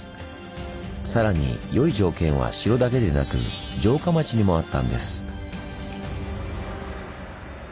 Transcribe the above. さらによい条件は城だけでなく城下町にもあったんです。